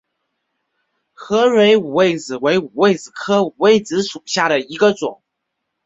合蕊五味子为五味子科五味子属下的一个种。